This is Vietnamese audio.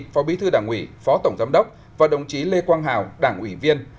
phó bí thư đảng ủy phó tổng giám đốc và đồng chí lê quang hào đảng ủy viên